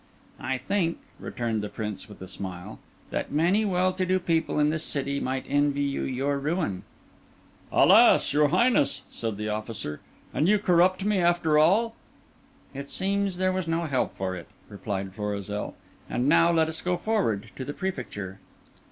"I think," returned the Prince with a smile, "that many well to do people in this city might envy you your ruin." "Alas! your Highness!" said the officer, "and you corrupt me after all?" "It seems there was no help for it," replied Florizel. "And now let us go forward to the Prefecture."